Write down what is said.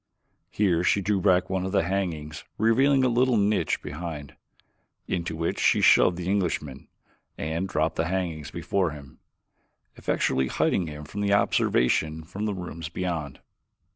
Here she drew back one of the hangings, revealing a little niche behind, into which she shoved the Englishman and dropped the hangings before him, effectually hiding him from observation from the rooms beyond.